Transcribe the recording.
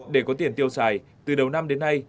để có tiền tiêu xài từ đầu năm đến nay